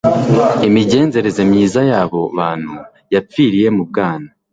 Imigenzereze myiza y' abo bantu yapfiriye mu bwana;